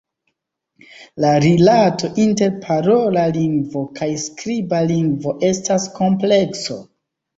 La rilato inter parola lingvo kaj skriba lingvo estas komplekso.